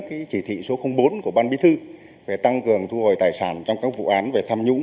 cái chỉ thị số bốn của ban bí thư về tăng cường thu hồi tài sản trong các vụ án về tham nhũng